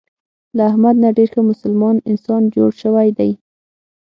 له احمد نه ډېر ښه مسلمان انسان جوړ شوی دی.